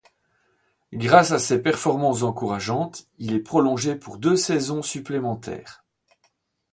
Grâce à ses performances encourageantes, il est prolongé pour deux saisons supplémentaires.